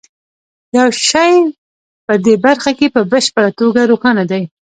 یو شی په دې برخه کې په بشپړه توګه روښانه دی